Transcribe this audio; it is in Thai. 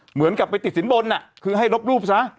เหมือนกับไปติดสินบนคือให้ลบรูปซะ